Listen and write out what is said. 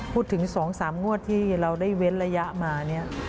พูดถึง๒๓งวดที่เราได้เว้นระยะมาเนี่ย